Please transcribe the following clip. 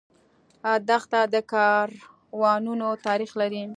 دښته د کاروانونو تاریخ لري.